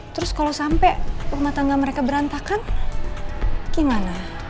terus kalau sampai rumah tangga mereka berantakan gimana